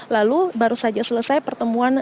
lalu baru saja selesai pertemuan